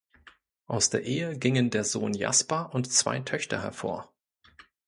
Aus der Ehe gingen der Sohn Jaspar und zwei Töchter hervor.